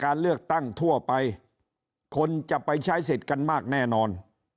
การเลือกตั้งทั่วไปคนจะไปใช้สิทธิ์กันมากแน่นอน